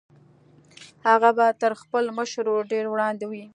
هغه به تر خپل مشر ورور ډېر وړاندې وي